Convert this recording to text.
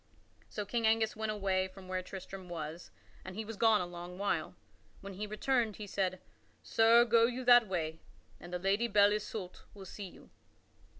So King Angus went away from where Sir Tristram was, and he was gone a long while. When he returned he said: "Sir, go you that way and the Lady Belle Isoult will see you."